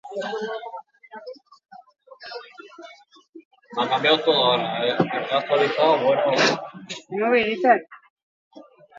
Kontzejua herrigunetik banandua dago, Arga ibaiaren beste aldean.